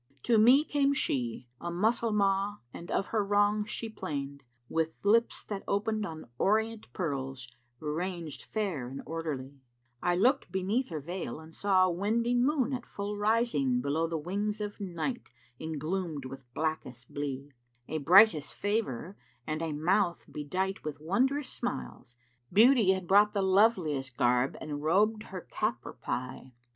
To me came she, a Moslemah and of her wrongs she 'plained * With lips that oped on Orient pearls ranged fair and orderly: I looked beneath her veil and saw a wending moon at full * Rising below the wings of Night engloomed with blackest blee: A brightest favour and a mouth bedight with wondrous smiles; * Beauty had brought the loveliest garb and robed her cap ŕ pie.